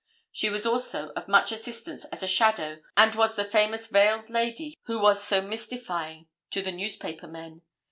She was also of much assistance as a shadow, and was the famous veiled lady who was so mystifying to the newspaper men.